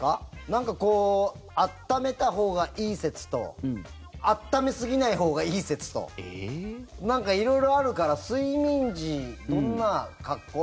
なんか、温めたほうがいい説と温めすぎないほうがいい説となんか色々あるから睡眠時、どんな格好。